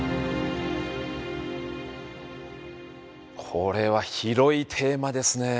これは広いテーマですねえ。